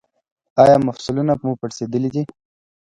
ایا مفصلونه مو پړسیدلي دي؟